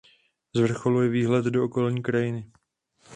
Z vrcholu je výhled do okolní krajiny.